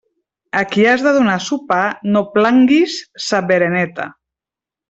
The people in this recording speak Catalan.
A qui has de donar sopar no planguis sa bereneta.